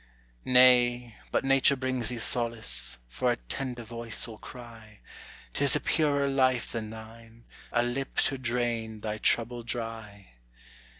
Nay, but nature brings thee solace; for a tender voice will cry; 'Tis a purer life than thine, a lip to drain thy trouble dry.